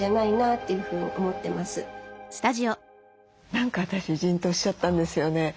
何か私ジンとしちゃったんですよね。